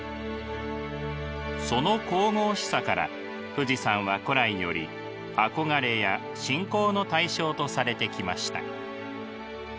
その神々しさから富士山は古来より憧れや信仰の対象とされてきました。